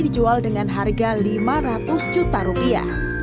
dijual dengan harga lima ratus juta rupiah